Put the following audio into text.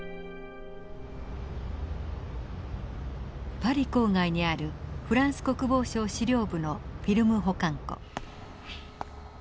パリ郊外にあるフランス国防省資料部のフィルム保管庫。